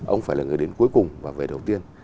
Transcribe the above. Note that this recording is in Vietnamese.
ông phải là người đến cuối cùng và về đầu tiên